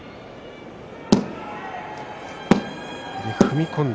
踏み込んだ